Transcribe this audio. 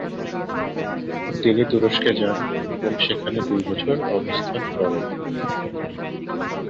তিনি তুরস্কে যান এবং সেখানে দুই বছর অবস্থান করেন।